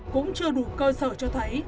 cũng chưa đủ cơ sở cho thấy